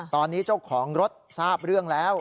ตอนนี้เจ้าของรถทราบเรื่องแล้ว